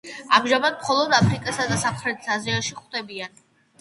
ამჟამად მხოლოდ აფრიკასა და სამხრეთ აზიაში გვხვდებიან.